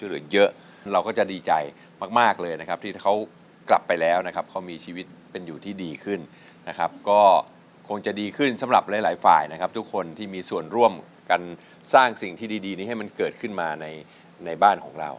เหลือเยอะเราก็จะดีใจมากมากเลยนะครับที่เขากลับไปแล้วนะครับเขามีชีวิตเป็นอยู่ที่ดีขึ้นนะครับก็คงจะดีขึ้นสำหรับหลายหลายฝ่ายนะครับทุกคนที่มีส่วนร่วมกันสร้างสิ่งที่ดีนี้ให้มันเกิดขึ้นมาในบ้านของเรา